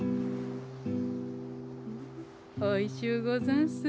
おいしゅうござんす。